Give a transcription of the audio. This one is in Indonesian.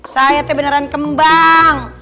saya tuh beneran kembang